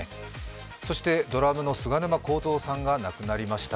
そしてドラムの菅沼孝三さんが亡くなりました。